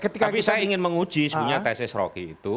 tapi saya ingin menguji sebenarnya tesis rocky itu